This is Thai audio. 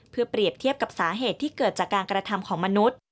เพื่อเปรียบเทียบกับสาเหตุที่เกิดจากการกระทำของมนุษย์